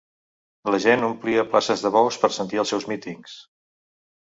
La gent omplia places de bous per sentir els seus mítings.